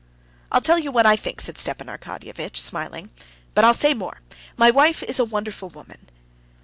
"I tell you what I think," said Stepan Arkadyevitch, smiling. "But I'll say more: my wife is a wonderful woman...."